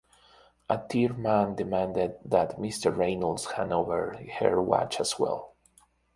A third man demanded that Mrs Reynolds hand over her watch as well.